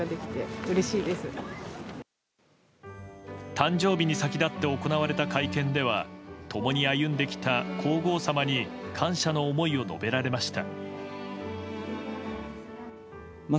誕生日に先立って行われた会見では共に歩んできた皇后さまに感謝の思いを述べられました。